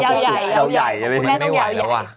แม่ต้องยาวใหญ่